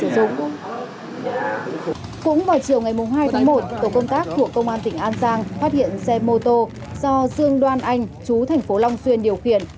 cũng vào chiều ngày hai tháng một tổ công tác thuộc công an tỉnh an giang phát hiện xe mô tô do dương đoan anh chú thành phố long xuyên điều khiển